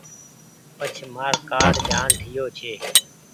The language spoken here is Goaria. پڇ مآر ڪآرڊ جآن ٺييو ڇي۔